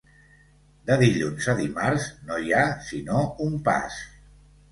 De dilluns a dimarts, no hi ha sinó un pas.